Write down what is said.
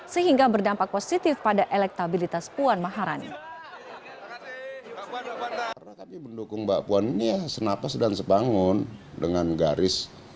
sehingga berdampak positif pada elektabilitas puan maharani